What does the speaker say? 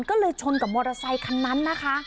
ก็เลยชนกับมอเตอร์ไซคันนั้นนะคะ